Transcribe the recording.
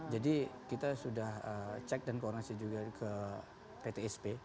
jadi kita sudah cek dan koreksi juga ke ptsp